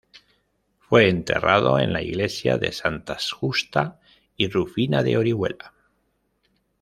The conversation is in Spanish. Fue enterrado en la Iglesia de santas Justa y Rufina de Orihuela.